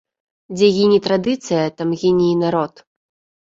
Дзе гіне традыцыя, там гіне і народ.